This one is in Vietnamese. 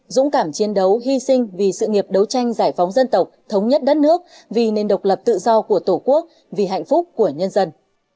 dũng cảm chiến đấu hy sinh vì sự nghiệp đấu tranh giải phóng dân tộc thống nhất đất nước vì nền độc lập tự do của tổ quốc vì hạnh phúc của nhân dân